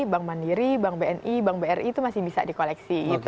bank mandiri bank bni bank bri itu masih bisa di koleksi gitu